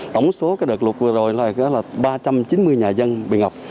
tổng số cái đợt lụt vừa rồi là ba trăm chín mươi nhà dân bị ngập